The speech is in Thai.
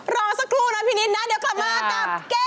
รอสักครู่นะพี่นิดนะเดี๋ยวกลับมากับเกม